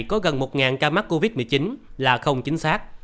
có gần một ca mắc covid một mươi chín là không chính xác